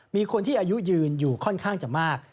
มีคนที่อายุยืนอยู่ค่อนข้างจะมาก